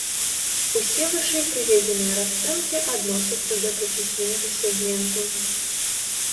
Усе вышэй прыведзеныя расцэнкі адносяцца да прафесійнага сегменту.